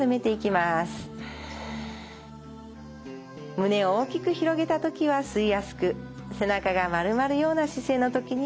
胸を大きく広げた時は吸いやすく背中がまるまるような姿勢の時には吐きやすい。